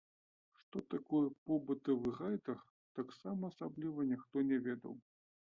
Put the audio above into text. Што такое побытавы райдар, таксама асабліва ніхто не ведаў.